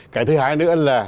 cái thứ hai nữa là